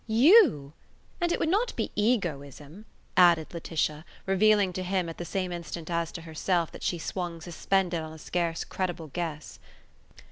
"You? And it would not be egoism," added Laetitia, revealing to him at the same instant as to herself that she swung suspended on a scarce credible guess.